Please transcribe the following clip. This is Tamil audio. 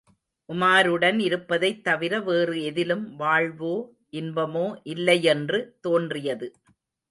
உமாருடன் இருப்பதைத் தவிர வேறு எதிலும் வாழ்வோ, இன்பமோ இல்லையென்று தோன்றியது.